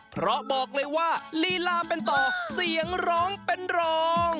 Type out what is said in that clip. เพราะบอกเลยว่าลีลาเป็นต่อเสียงร้องเป็นรอง